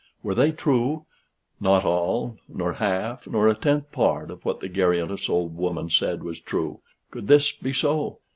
Were they true? Not all, nor half, nor a tenth part of what the garrulous old woman said, was true. Could this be so?